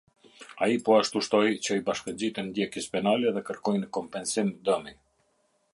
Ai po ashtu shtoj që i bashkëngjiten ndjekjes penale dhe kërkojnë kompensim dëmi.